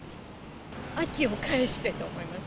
秋を返してと思います。